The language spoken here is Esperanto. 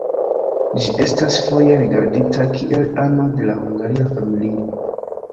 Ĝi estas foje rigardita kiel ano de la Hungaria familio.